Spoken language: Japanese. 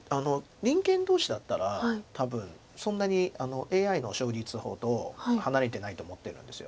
人間同士だったら多分そんなにＡＩの勝率ほど離れてないと思ってるんです。